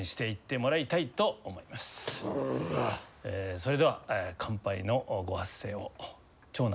それでは乾杯のご発声を長男。